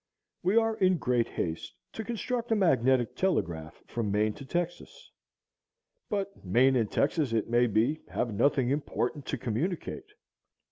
We are in great haste to construct a magnetic telegraph from Maine to Texas; but Maine and Texas, it may be, have nothing important to communicate.